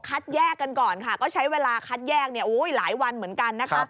แยกกันก่อนค่ะก็ใช้เวลาคัดแยกหลายวันเหมือนกันนะคะ